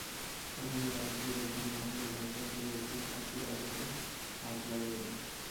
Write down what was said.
তখনই দ্বার খুলিবার জন্য মহেন্দ্র ধড়ফড় করিয়া উঠিয়া শার্শির অর্গলে হাত লাগাইল।